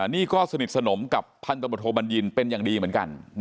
นี่ก็สนิทสนมกับพันธบทโทบัญญินเป็นอย่างดีเหมือนกัน